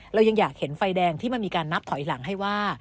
เรายังอยากเห็นไฟแดงที่มันมีการนับถอยหลังให้ว่า